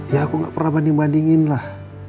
ya aku nggak pernah banding bandingin lah